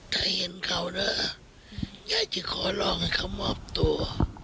ถ้าเห็นเขานะยายจะขอร้องให้เขามอบตัว